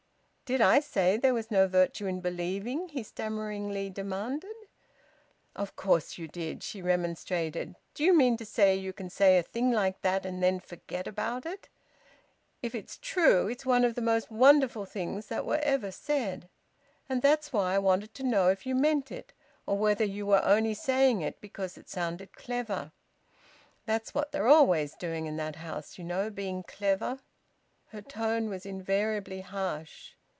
"Did I say there was no virtue in believing?" he stammeringly demanded. "Of course you did!" she remonstrated. "Do you mean to say you can say a thing like that and then forget about it? If it's true, it's one of the most wonderful things that were ever said. And that's why I wanted to know if you meant it or whether you were only saying it because it sounded clever. That's what they're always doing in that house, you know, being clever!" Her tone was invariably harsh.